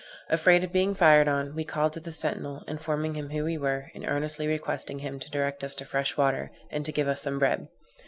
Afraid of being fired on, we called to the sentinel, informing him who we were, and earnestly requesting him to direct us to fresh water, and to give us some bread.